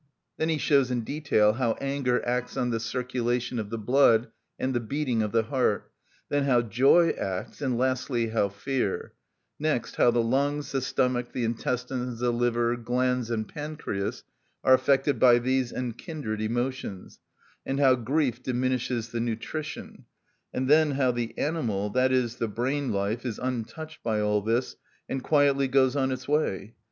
_" Then he shows in detail how anger acts on the circulation of the blood and the beating of the heart, then how joy acts, and lastly how fear; next, how the lungs, the stomach, the intestines, the liver, glands, and pancreas are affected by these and kindred emotions, and how grief diminishes the nutrition; and then how the animal, that is, the brain life, is untouched by all this, and quietly goes on its way.